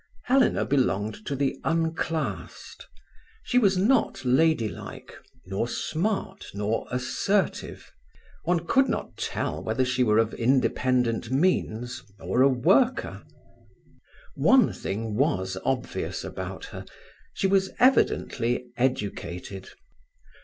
Helena belonged to the unclassed. She was not ladylike, nor smart, nor assertive. One could not tell whether she were of independent means or a worker. One thing was obvious about her: she was evidently educated.